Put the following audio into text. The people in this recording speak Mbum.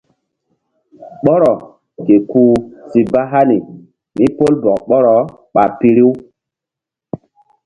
Ɓɔrɔ ke kuh si ba hani mí pol bɔk ɓɔrɔ ɓa piru.